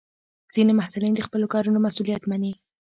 ځینې محصلین د خپلو کارونو مسؤلیت مني.